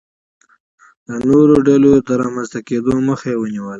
د نورو ډلو د رامنځته کېدو مخه یې ونیوله.